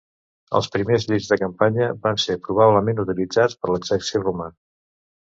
Els primers llits de campanya van ser probablement utilitzats per l'exèrcit Romà.